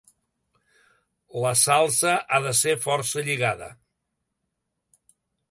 La salsa ha de ser força lligada.